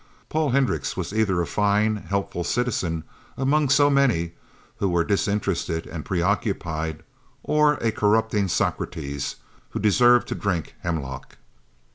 Paul Hendricks was either a fine, helpful citizen among so many who were disinterested and preoccupied or a corrupting Socrates who deserved to drink hemlock.